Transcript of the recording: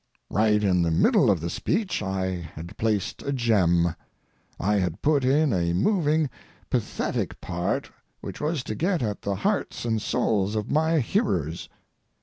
Right in the middle of the speech I had placed a gem. I had put in a moving, pathetic part which was to get at the hearts and souls of my hearers.